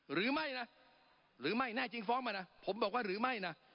หรือไม่นะหรือไม่แน่จริงฟ้องมานะผมบอกว่าหรือไม่นะ